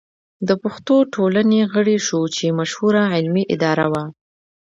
د پښتو ټولنې غړی شو چې مشهوره علمي اداره وه.